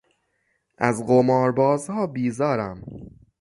از قمار بازها بیزارم.